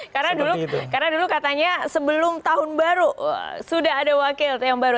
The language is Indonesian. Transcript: karena dulu katanya sebelum tahun baru sudah ada wakil yang baru